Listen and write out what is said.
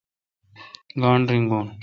گانٹھ رینگون؟